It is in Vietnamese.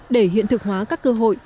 để hiện thực hóa các cơ hội